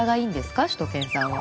しゅと犬さんは？